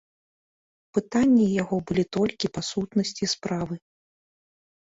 Пытанні яго былі толькі па сутнасці справы.